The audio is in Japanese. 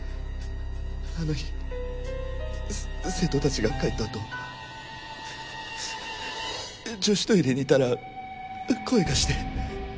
あの日生徒たちが帰った後女子トイレにいたら声がして。